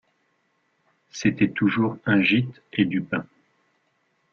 C’était toujours un gîte et du pain.